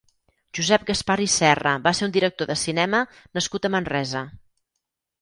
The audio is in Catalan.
Josep Gaspar i Serra va ser un director de cinema nascut a Manresa.